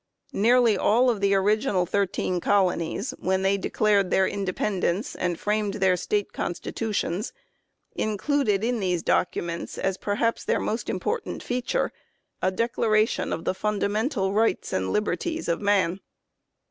Nearly all of the original thirteen colonies, when they declared their independ ence and framed their State Constitutions, included in these documents, as perhaps their most important feature, a declaration of the fundamental rights and liberties of man.